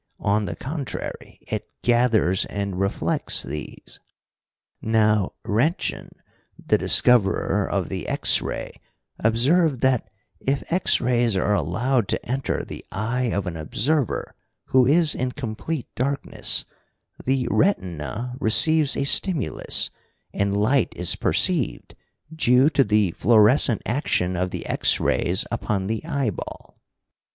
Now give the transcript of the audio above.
On the contrary, it gathers and reflects these. "Now Roentgen, the discoverer of the X ray, observed that if X rays are allowed to enter the eye of an observer who is in complete darkness, the retina receives a stimulus, and light is perceived, due to the fluorescent action of the X rays upon the eyeball.